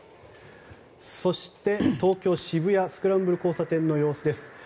そして、東京・渋谷のスクランブル交差点の様子です。